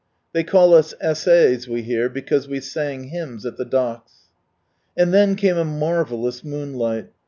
They call us " S.A.'s " we hear, because we sang hymns at the docks. And then came a marvellous moonlight.